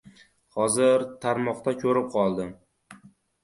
Hozir tarmoqda koʻrib qoldim.